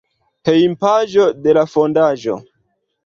Hejmpaĝo de la fondaĵo.